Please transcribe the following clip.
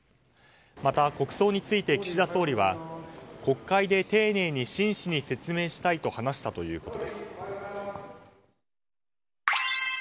また国葬について岸田総理は国会で丁寧に真摯に説明したいと話したということです。